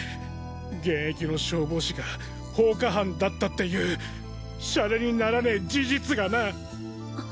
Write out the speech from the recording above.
現役の消防士が放火犯だったっていうシャレにならねぇ事実がな！